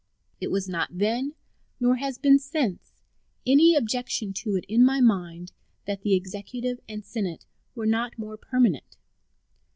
It was not then, nor has been since, any objection to it in my mind that the Executive and Senate were not more permanent.